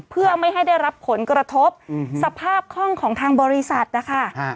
เพื่อไม่ให้ได้รับผลกระทบสภาพคล่องของทางบริษัทนะคะ